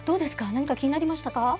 何か気になりましたか？